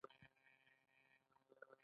د هاکي ټیمونه ډیر عاید لري.